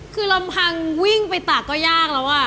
คือระหว่างวิ่งไปตาก็ยากแล้วอ่ะ